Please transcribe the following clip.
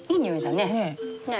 ねえ。